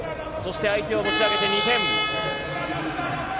相手を持ち上げて２点。